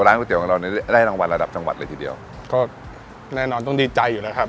ก๋วเตี๋ของเราเนี่ยได้รางวัลระดับจังหวัดเลยทีเดียวก็แน่นอนต้องดีใจอยู่นะครับ